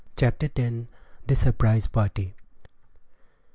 CHAPTER X. THE SURPRISE PARTY.